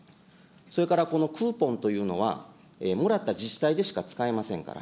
それからこのクーポンというのは、もらった自治体でしか使えませんから。